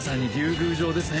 宮城ですね